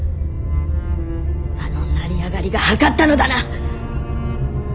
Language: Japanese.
あの成り上がりがはかったのだな！